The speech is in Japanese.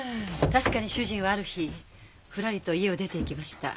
確かに主人はある日ふらりと家を出ていきました。